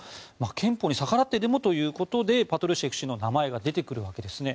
憲法に逆らってでもということでパトルシェフ氏の名前が出てくるわけですね。